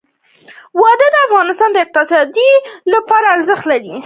وادي د افغانستان د اقتصادي ودې لپاره ارزښت لري.